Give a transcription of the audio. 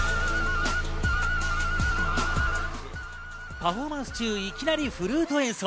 パフォーマンス中いきなりフルート演奏。